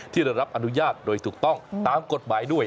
ได้รับอนุญาตโดยถูกต้องตามกฎหมายด้วย